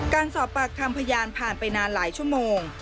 การสอบปากคำพยานผ่านไปนานหลายชั่วโมง